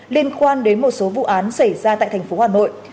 liên quan đến một số vụ án xảy ra tại tp hà nội